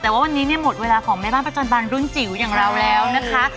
แต่ว่าวันนี้เนี่ยหมดเวลาของแม่บ้านประจำบางรุ่นจิ๋วอย่างเราแล้วนะคะ